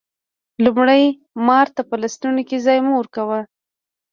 لومړی: مار ته په لستوڼي کی ځای مه ورکوه